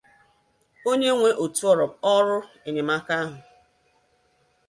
onye nwe òtù ọrụ enyemaka ahụ